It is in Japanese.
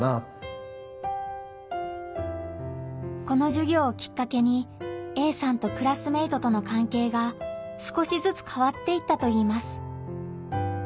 このじゅぎょうをきっかけにＡさんとクラスメートとのかんけいが少しずつ変わっていったといいます。